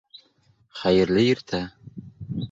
Хәйерле иртә!